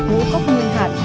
vũ cốc nguyên hạt